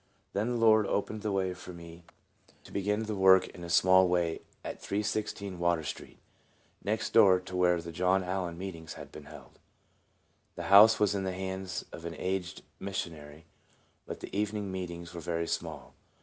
Then the Lord opened the way for me to 64 TRANSFORMED. begin the work in a small way at 316 Water street, next door to where the John Allen meetings had been held. The house was in the hands of an aged missionary, but the , evening meetings were very small.